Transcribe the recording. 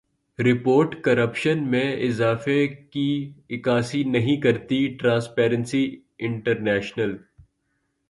report corruption میں اضافے کی عکاسی نہیں کرتی ٹرانسپیرنسی انٹرنیشنل